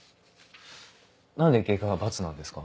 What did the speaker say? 何で外科が「×」なんですか？